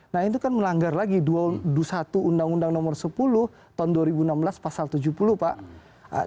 nah itu kan melanggar lagi dua puluh satu undang undang nomor sepuluh tahun dua ribu enam belas pasal tujuh puluh pak